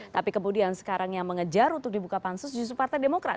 tapi kemudian sekarang yang mengejar untuk dibuka pansus justru partai demokrat